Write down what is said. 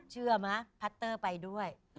เชื่อมั้ยพัตเตอร์ไปด้วย